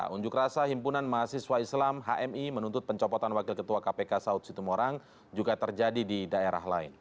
unjuk rasa himpunan mahasiswa islam hmi menuntut pencopotan wakil ketua kpk saud situmorang juga terjadi di daerah lain